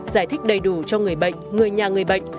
giải thích đầy đủ cho người bệnh người nhà người bệnh